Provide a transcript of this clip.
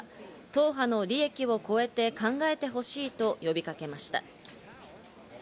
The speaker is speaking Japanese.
党派が利益を超えて考えてほしいと呼びかけました。